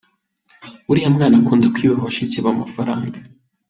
Uriya mwana akunda kwiba bashiki be amafaranga.